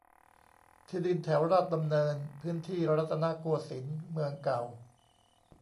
ที่ดินแถวราชดำเนิน พื้นที่รัตนโกสินทร์ เมืองเก่า